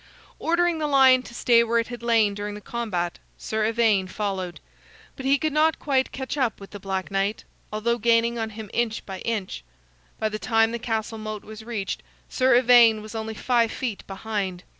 Ordering the lion to stay where it had lain during the combat, Sir Ivaine followed. But he could not quite catch up with the Black Knight, although gaining on him inch by inch. By the time the castle moat was reached, Sir Ivaine was only five feet behind.